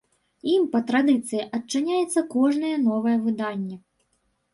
Ім, па традыцыі, адчыняецца кожнае новае выданне.